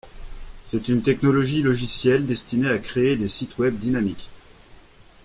C'est une technologie logicielle destinée à créer des sites web dynamiques.